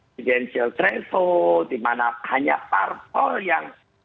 negasional travel dimana hanya parpol yang